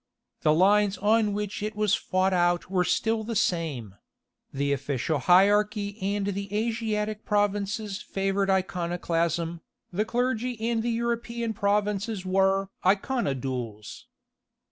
The lines on which it was fought out were still the same—the official hierarchy and the Asiatic provinces favoured Iconoclasm, the clergy and the European provinces were "Iconodules."